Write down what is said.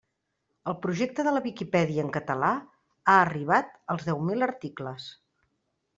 El projecte de la Viquipèdia en català ha arribat als deu mil articles.